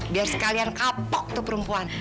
biar sekalian kapok tuh perempuan